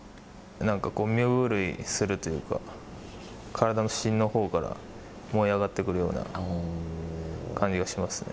なんかこう、身震いするというか、体の芯のほうから燃え上がってくるような感じがしますね。